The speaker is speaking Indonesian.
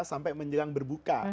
sampai menjelang berbuka